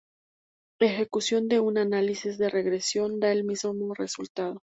Ejecución de un análisis de regresión da el mismo resultado.